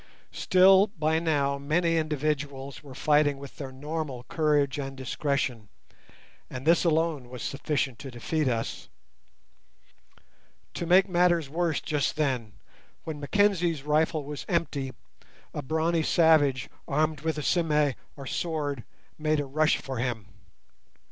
Still by now many individuals were fighting with their normal courage and discretion, and this alone was sufficient to defeat us. To make matters worse just then, when Mackenzie's rifle was empty, a brawny savage armed with a "sime", or sword, made a rush for him.